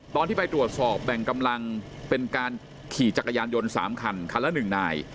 ตอนที่ไปตรวจสอบแบ่งกำลังเป็นการขี่จักรยานยนต์๓คันคันละ๑นาย